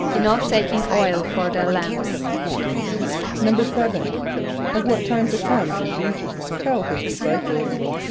=In not taking oil for their lamps.= =7.= Of what time to come did J[=e]´[s+]us tell his disciples?